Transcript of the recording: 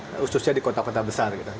khususnya di kota kota besar gitu